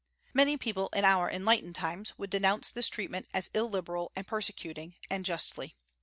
Many people in our enlightened times would denounce this treatment as illiberal and persecuting, and justly.